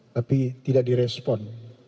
tapi tidak di respon